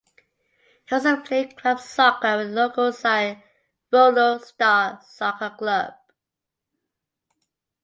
He also played club soccer with local side Roanoke Star Soccer Club.